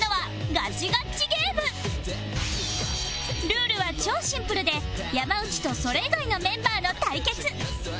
ルールは超シンプルで山内とそれ以外のメンバーの対決